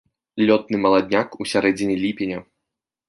Лётны маладняк ў сярэдзіне ліпеня.